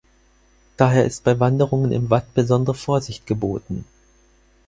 Daher ist bei Wanderungen im Watt besondere Vorsicht geboten.